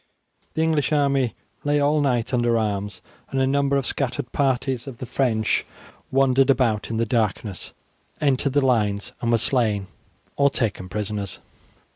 The English army lay all night under arms, and a number of scattered parties of the French, wandering about in the darkness, entered the lines and were slain or taken prisoners.